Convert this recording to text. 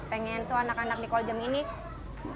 pengen tuh anak anak di kolong jembatan ini